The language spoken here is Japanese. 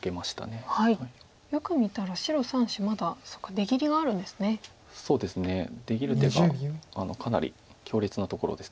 出切る手がかなり強烈なところです。